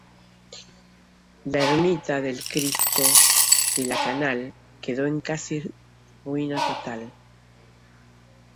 La Ermita del Cristo de la Canal quedó en casi ruina total.